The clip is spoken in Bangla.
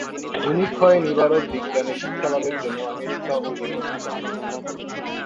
ভূমিক্ষয়-নিবারক বিজ্ঞানে শিক্ষালাভের জন্য আমেরিকা ও ইউরোপ যান।